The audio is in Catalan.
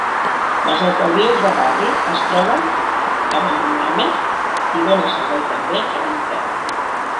Les alcaldies de barri es troben a Benimàmet, i dóna servei també a Beniferri.